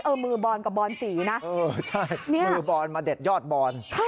มือบอลกับบอนสีนะเออใช่นี่มือบอนมาเด็ดยอดบอน